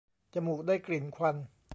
จมูกได้กลิ่นควัน